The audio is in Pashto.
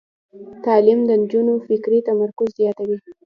تعلیم د نجونو فکري تمرکز زیاتوي.